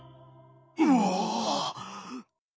うわ！